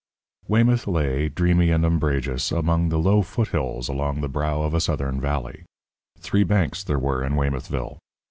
Weymouth lay, dreamy and umbrageous, among the low foothills along the brow of a Southern valley. Three banks there were in Weymouthville.